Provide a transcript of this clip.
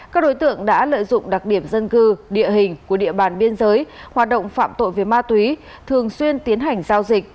các đối tượng đã lợi dụng đặc điểm dân cư địa hình của địa bàn biên giới hoạt động phạm tội về ma túy thường xuyên tiến hành giao dịch